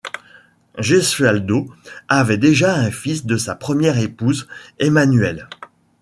Gesualdo avait déjà un fils de sa première épouse, Emanuele.